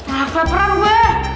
aku laparan gue